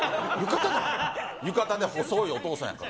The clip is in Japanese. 浴衣で細いお父さんやから。